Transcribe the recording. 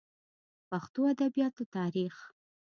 پښتو ادبياتو تاريخ